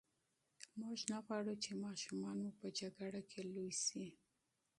موږ نه غواړو چې ماشومان مو په جنګ کې لوي شي.